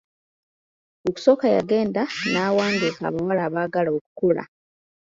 Okusooka yagenda n'awandiika abawala abaagala okukola.